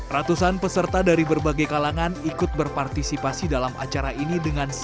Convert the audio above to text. ratusan peserta dari berbagai kalangan ikut berpartisipasi dalam acara ini dengan semangat yang tinggi